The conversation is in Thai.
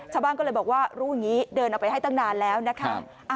ชาวบ้านก็เลยบอกว่ารู้อย่างนี้เดินออกไปให้ตั้งนานแล้วนะคะ